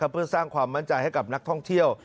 เพื่อสร้างความมั่นใจให้กับนักท่องเที่ยว